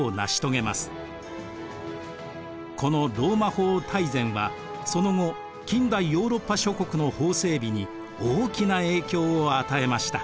この「ローマ法大全」はその後近代ヨーロッパ諸国の法整備に大きな影響を与えました。